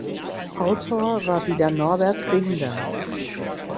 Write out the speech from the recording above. Autor war wieder Norbert Binder.